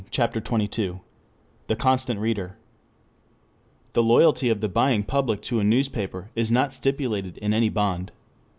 CHAPTER XXII THE CONSTANT READER I THE loyalty of the buying public to a newspaper is not stipulated in any bond.